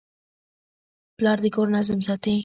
پلار د کور نظم ساتي.